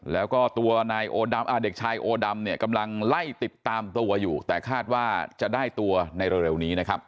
แล้วก็ตัวนายเด็กชายโอดำเนี่ยกำลังไล่ติดตามตัวอยู่แต่คาดว่าจะได้ตัวในเร็วนี้นะครับ